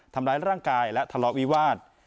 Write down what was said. ทำร้ายร่างกายและทะเลาะวิวาส